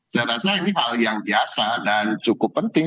saya rasa ini hal yang biasa dan cukup penting